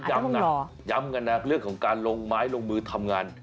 ย้ำนะย้ำกันนะเรื่องของการลงไม้ลงมือทำงาน